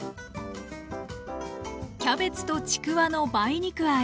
キャベツとちくわの梅肉あえ。